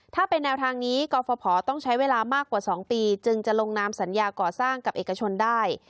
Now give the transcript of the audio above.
ถ้าเป็นแนวทางนี้กรฟภต้องใช้เวลามากกว่า๒ปีจึงจะลงนามสัญญาก่อสร้างกับเอกชนได้